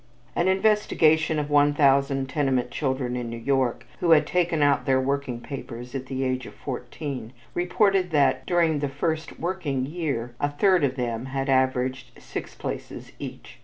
An investigation of one thousand tenement children in New York who had taken out their "working papers" at the age of fourteen, reported that during the first working year a third of them had averaged six places each.